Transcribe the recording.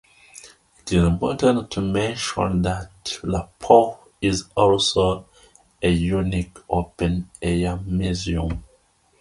It is important to mention that Lapovo is also a unique open-air museum.